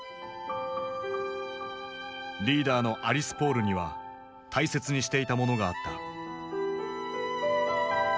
リーダーのアリス・ポールには大切にしていたものがあった。